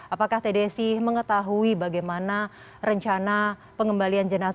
apakah teh desi mengetahui bagaimana rencana pengembalian jenazah ini